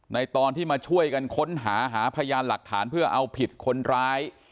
ตอนที่มาช่วยกันค้นหาหาพยานหลักฐานเพื่อเอาผิดคนร้าย